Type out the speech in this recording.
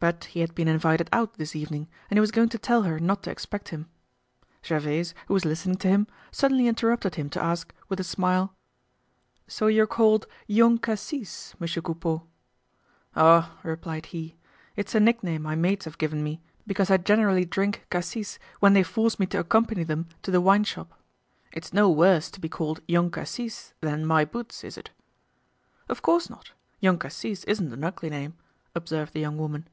But he had been invited out this evening and he was going to tell her not to expect him. Gervaise, who was listening to him, suddenly interrupted him to ask, with a smile: "So you're called 'Young Cassis,' Monsieur Coupeau?" "Oh!" replied he, "it's a nickname my mates have given me because I generally drink 'cassis' when they force me to accompany them to the wineshop. It's no worse to be called Young Cassis than My Boots, is it?" "Of course not. Young Cassis isn't an ugly name," observed the young woman.